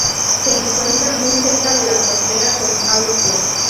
Se encuentra muy cerca de la frontera con Austria.